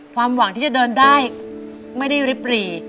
ความหวังที่จะเดินได้ไม่ได้ริบหรี่